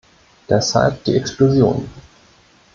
Deshalb die Explosion.